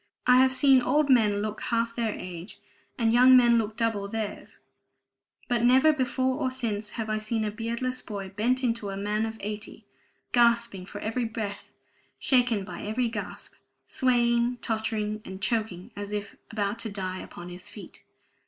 I have seen old men look half their age, and young men look double theirs; but never before or since have I seen a beardless boy bent into a man of eighty, gasping for every breath, shaken by every gasp, swaying, tottering, and choking, as if about to die upon his feet.